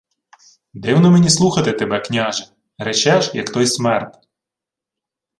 — Дивно мені слухати тебе, княже. Речеш, як той смерд.